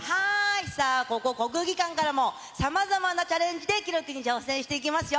さあ、ここ、国技館からもさまざまなチャレンジで記録に挑戦していきますよ。